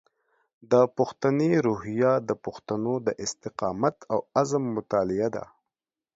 د پښتني روحیه د پښتنو د استقامت او عزم مطالعه ده.